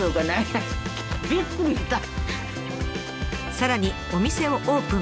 さらにお店をオープン。